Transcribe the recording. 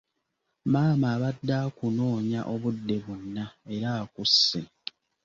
Maama abadde akunoonya obudde bwonna era akusse.